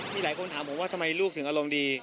มีหลายคนถามผมว่าทำไมลูกถึงอารมณ์ดี